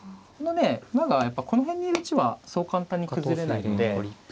このね馬がやっぱこの辺にいるうちはそう簡単に崩れないので。